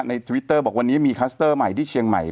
ทวิตเตอร์บอกวันนี้มีคลัสเตอร์ใหม่ที่เชียงใหม่